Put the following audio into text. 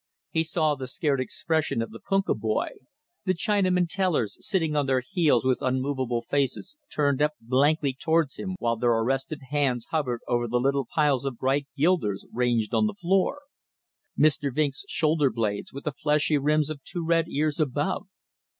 He saw the scared expression of the punkah boy; the Chinamen tellers sitting on their heels with unmovable faces turned up blankly towards him while their arrested hands hovered over the little piles of bright guilders ranged on the floor; Mr. Vinck's shoulder blades with the fleshy rims of two red ears above.